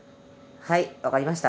はいわかりました。